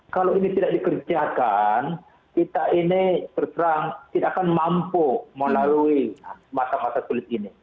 kalau ini tidak dikerjakan kita ini terus terang tidak akan mampu melalui masa masa sulit ini